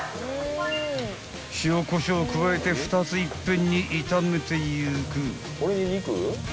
［塩こしょうを加えて２ついっぺんに炒めていく］